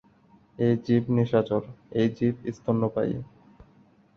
এই জীব নিশাচর এই জীব স্তন্যপায়ী।